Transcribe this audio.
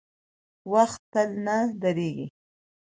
• وخت تل نه درېږي.